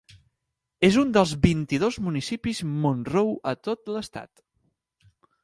És un dels vint-i-dos municipis Monroe a tot l'estat.